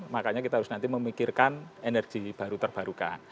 makanya kita harus nanti memikirkan energi baru terbarukan